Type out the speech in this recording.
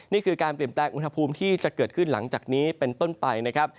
นี่คือการเปลี่ยนแปลงอุณหภูมิที่จะเกิดขึ้นหลังจากนี้เป็นต้นไปนะครับ